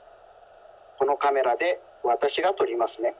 このカメラでわたしがとりますね。